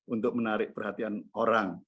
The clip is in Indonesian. untuk menarik perhatian orang